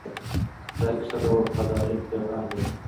دا کیسه د وفادارۍ پیغام لري.